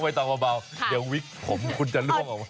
เดี๋ยวน้องเวตองเบาเดี๋ยววิกผมคุณจะล่วงออกมา